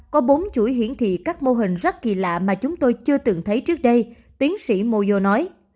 có bốn chuỗi hiển thị các mô hình rất kỳ lạ mà chúng tôi chưa từng thấy trước đây tiến sĩ mozo nói